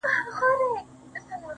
اې ه څنګه دي کتاب له مخه ليري کړم.